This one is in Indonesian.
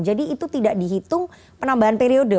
jadi itu tidak dihitung penambahan periode